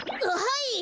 はい！